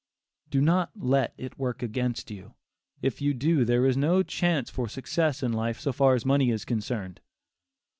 Do not let it work against you; If you do, there is no chance for success in life so far as money is concerned.